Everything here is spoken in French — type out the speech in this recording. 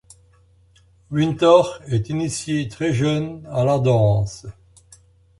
Winter est initié très jeune à la danse.